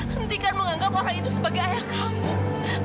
hentikan menganggap orang itu sebagai ayah kamu